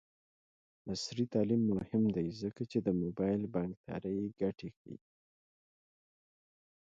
عصري تعلیم مهم دی ځکه چې د موبايل بانکدارۍ ګټې ښيي.